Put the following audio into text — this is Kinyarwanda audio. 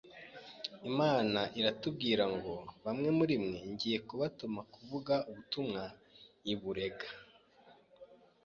Imana iratubwira ngo bamwe muri mwe ngiye kubatuma kuvuga ubutumwa i Burega.